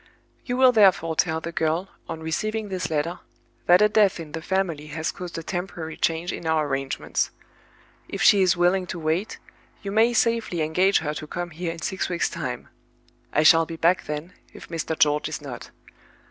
"You will therefore tell the girl, on receiving this letter, that a death in the family has caused a temporary change in our arrangements. If she is willing to wait, you may safely engage her to come here in six weeks' time; I shall be back then, if Mr. George is not.